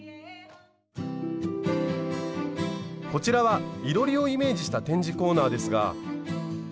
こちらはいろりをイメージした展示コーナーですが。